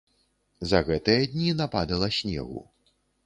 За гэтыя дні нападала снегу.